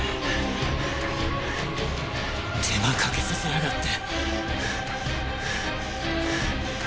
手間かけさせやがって！